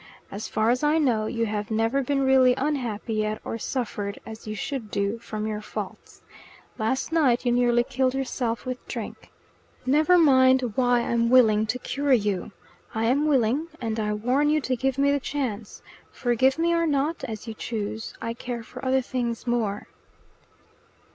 As far as I know, you have never been really unhappy yet or suffered, as you should do, from your faults. Last night you nearly killed yourself with drink. Never mind why I'm willing to cure you. I am willing, and I warn you to give me the chance. Forgive me or not, as you choose. I care for other things more."